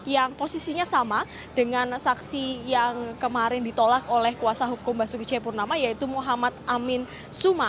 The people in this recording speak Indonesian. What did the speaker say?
yang posisinya sama dengan saksi yang kemarin ditolak oleh kuasa hukum basuki cepurnama yaitu muhammad amin suma